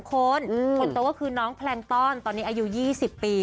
คนคนโตก็คือน้องแพลงต้อนตอนนี้อายุ๒๐ปี